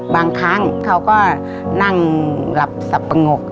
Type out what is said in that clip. บางครั้งเขาก็นั่งหลับสับปะงก